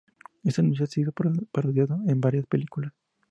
Este anuncio ha sido parodiado en varias películas.